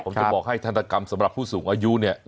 ผมจะบอกให้ทันตกรรมสำหรับผู้สูงอายุเนี่ย